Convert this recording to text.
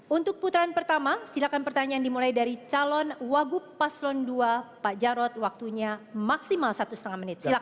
untuk putaran pertama silakan pertanyaan dimulai dari calon wagup paslon dua pak jarod waktunya maksimal satu setengah menit silahkan